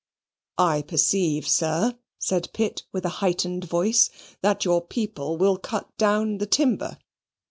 "I perceive, sir," said Pitt with a heightened voice, "that your people will cut down the timber."